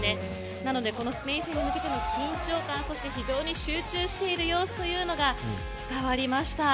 なのでこのスペイン戦に向けての緊張感そして非常に集中している様子というのが伝わりました。